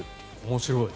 面白い。